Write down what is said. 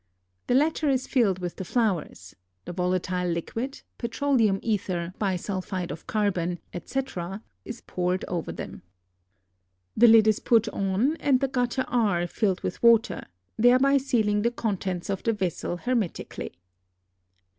The latter is filled with the flowers, the volatile liquid (petroleum ether, bisulphide of carbon, etc.) is poured over them, the lid is put on, and the gutter R filled with water, thereby sealing the contents of the vessel hermetically.